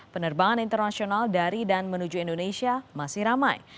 penerbangan internasional dari dan menuju indonesia masih ramai